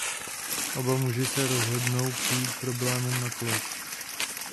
Oba muži se rozhodnou přijít problému na kloub.